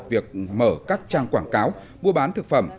việc mở các trang quảng cáo mua bán thực phẩm